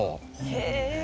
へえ。